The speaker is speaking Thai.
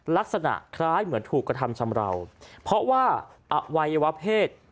ลักษณะคล้ายเหมือนถูกกระทำชำราวเพราะว่าอวัยวะเพศ